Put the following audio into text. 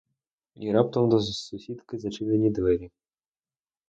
І раптом до сусідки зачинені двері!